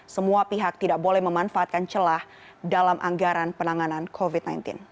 semua pihak tidak boleh memanfaatkan celah dalam anggaran penanganan covid sembilan belas